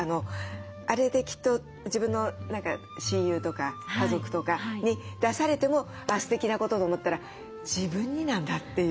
あれできっと自分の親友とか家族とかに出されてもあすてきなことと思ったら自分になんだっていう。